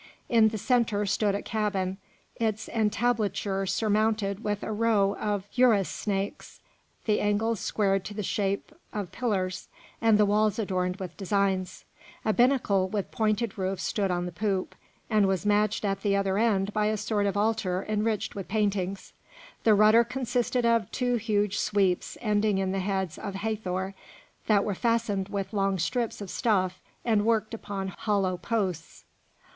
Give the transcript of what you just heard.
In the centre stood a cabin, its entablature surmounted with a row of uræus snakes, the angles squared to the shape of pillars, and the walls adorned with designs. A binnacle with pointed roof stood on the poop, and was matched at the other end by a sort of altar enriched with paintings. The rudder consisted of two huge sweeps, ending in heads of Hathor, that were fastened with long strips of stuff and worked upon hollow posts.